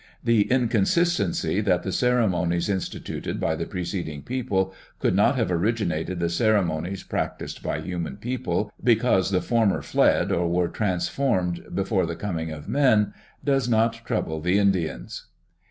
The inconsistency that the ceremonies instituted by the preceding people could not have originated the ceremonies practiced by human people, because the former fled or were transformed before the coming of men, does not trouble the Indians.